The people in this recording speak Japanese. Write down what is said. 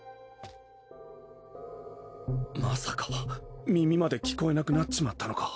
まさか耳まで聞こえなくなっちまったのか？